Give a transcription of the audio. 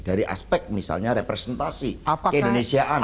dari aspek misalnya representasi keindonesiaan